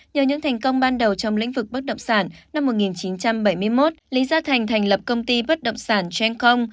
nhờ những thành công ban đầu trong lĩnh vực bất động sản năm một nghìn chín trăm bảy mươi một lý gia thành thành lập công ty bất động sản chanh com